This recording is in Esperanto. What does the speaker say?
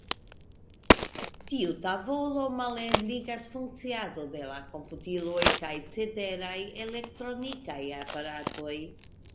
Tiu tavolo malebligas funkciado de la komputiloj kaj ceteraj elektronikaj aparatoj.